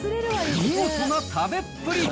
見事な食べっぷり。